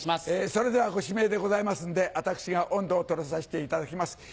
それではご指名でございますんで私が音頭を取らさせていただきます。